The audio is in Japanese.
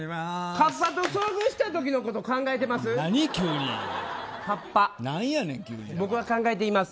カッパと遭遇した時のこと考えてます？